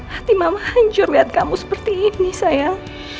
hati mama hancur lihat kamu seperti ini sayang